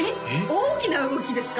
大きな動きですか？